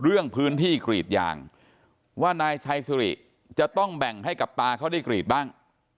เรื่องพื้นที่กรีดยางว่านายชัยสุริจะต้องแบ่งให้กับตาเขาได้กรีดบ้าง